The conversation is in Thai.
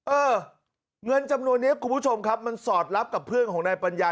เออเงินจำนวนนี้คุณผู้ชมครับมันสอดรับกับเพื่อนของนายปัญญา